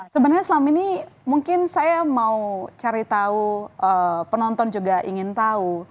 sebenarnya selama ini mungkin saya mau cari tahu penonton juga ingin tahu